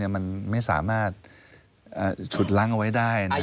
มันไม่สามารถอ่ะฉุดลังเอาไว้ได้หน่อย